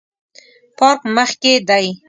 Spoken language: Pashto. پارک مخ کې دی